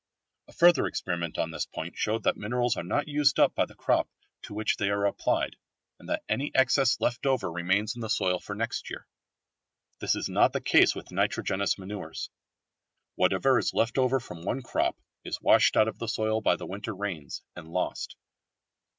A further experiment on this point showed that minerals are not used up by the crop to which they are applied, and that any excess left over remains in the soil for next year. This is not the case with nitrogenous manures. Whatever is left over from one crop is washed out of the soil by the winter rains, and lost.